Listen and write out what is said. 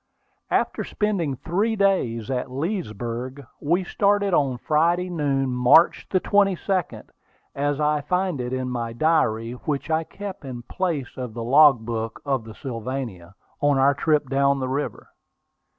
After spending three days at Leesburg, we started on Friday noon, March 22, as I find it in my diary, which I kept in place of the logbook of the Sylvania, on our trip down the river.